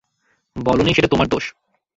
বলোনি সেটা তোমার দোষ!